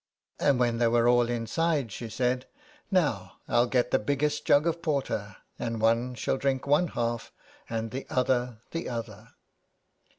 And when they were all inside, she said :" Now I'll get the biggest jug of porter, and one shall drink one half and the other the other."